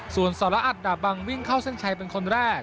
ส่วนสรออัดดาบบังวิ่งเข้าเส้นชัยเป็นคนแรก